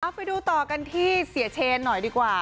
ไปดูต่อกันที่เสียเชนหน่อยดีกว่า